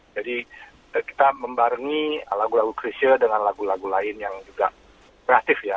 jadi kita membarengi lagu lagu kerisnya dengan lagu lagu lain yang juga kreatif ya